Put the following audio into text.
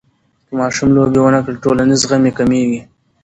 که ماشوم لوبې ونه کړي، ټولنیز زغم یې کمېږي.